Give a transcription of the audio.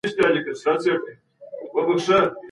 تاسي کله د پښتو په اړه خپله وینا په ویډیو کي ثبت کړه؟